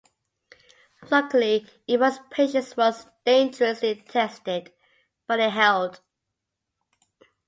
Locally, Evans' patience was "dangerously tested", but it held.